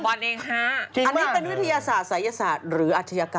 อันนี้เป็นวิทยาศาสตร์ศัยศาสตร์หรืออาชญากรรม